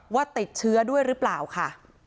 ว่าติดเชื้อด้วยหรือเปล่าค่ะ